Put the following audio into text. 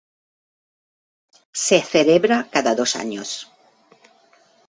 Se celebra cada dos años.